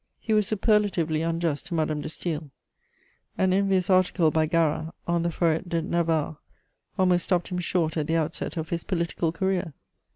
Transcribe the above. He was superlatively unjust to Madame de Staël. An envious article by Garat on the Forêt de Navarre almost stopped him short at the outset of his political career.